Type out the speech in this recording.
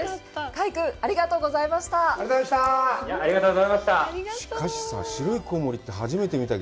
快君、ありがとうございました。